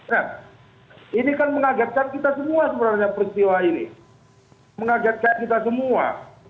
nah ini kan mengagetkan kita semua sebenarnya peristiwa ini mengagetkan kita semua